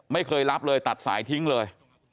ไม่เคยรับเลยตัดสายทิ้งเลย